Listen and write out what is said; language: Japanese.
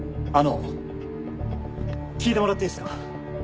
あの聞いてもらっていいすか？